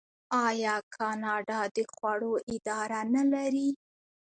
آیا کاناډا د خوړو اداره نلري؟